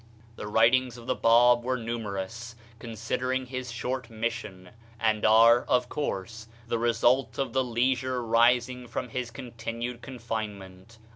The writings of the Bab were numerous, considering his short mission, and are, of course, the result of the leisure rising from his continued confinement.